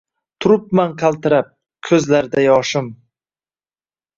Turibman qaltirab, ko‘zlarda yoshim